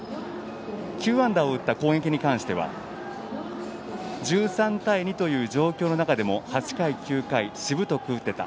９安打を打った攻撃に関しては１３対２という状況の中でも８回、９回しぶとく打てた。